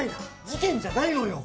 事件じゃないのよ